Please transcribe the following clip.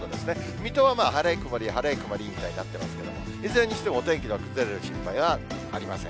水戸は晴れ曇り、晴れ曇りみたいになってますけども、いずれにしてもお天気の崩れる心配はありません。